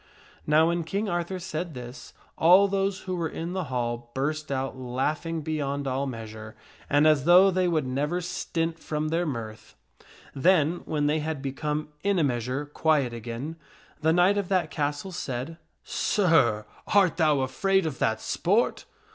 Now when King Arthur said this, all those who were in the hall burst out laughing beyond all measure and as though they would never stint from their mirth. Then, when they had become in a measure quiet again, the knight of that castle said, " Sir, art thou afraid of that sport